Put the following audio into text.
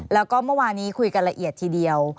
แล้วก็เมื่อวานี้คุยกันละเอียดทีเดียว